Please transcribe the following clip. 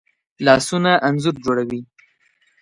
لاسونه انځور جوړوي